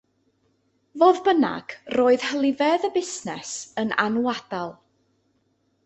Fodd bynnag roedd hylifedd y busnes yn anwadal.